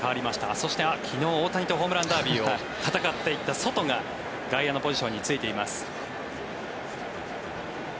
そして、昨日大谷とホームランダービーを戦っていったソトが外野のポジションに就いています。